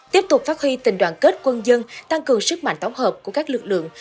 tiếp tục phát huy tình đoàn kết quân dân tăng cường sức mạnh tổng hợp của các lực lượng